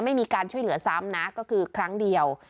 ไม่มีการช่วยเหลือซ้ำนะก็คือครั้งเดียว